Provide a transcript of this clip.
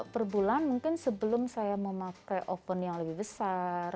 per bulan mungkin sebelum saya memakai oven yang lebih besar